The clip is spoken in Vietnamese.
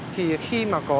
thì khi mà có